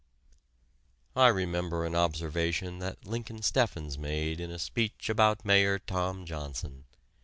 I remember an observation that Lincoln Steffens made in a speech about Mayor Tom Johnson.